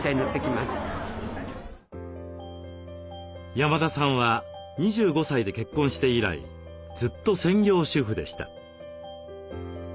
山田さんは２５歳で結婚して以来ずっと専業主婦でした。